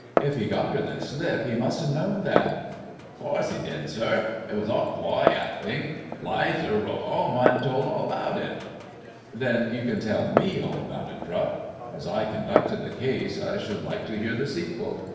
If he got her the slip he must have known that "" 'Course 'e did, sir. It was all ploy actin\ 'Lizer wrote 'ome an' told all about it." " Then you can tell me all about it, Drupp. As I con ducted the case I should like to hear the sequel.